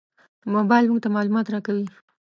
موبایل موږ ته معلومات راکوي.